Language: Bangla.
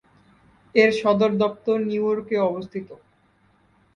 এর সদর দপ্তর নিউ ইয়র্কে অবস্থিত।